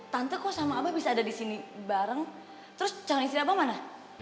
tante kok sama abah bisa ada disini bareng terus jangan istirahat sama mana